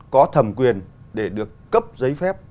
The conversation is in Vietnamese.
có thẩm quyền để được cấp giấy phép